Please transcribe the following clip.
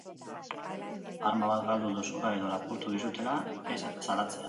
Arma bat galdu duzula edo lapurtu dizutela ez salatzea.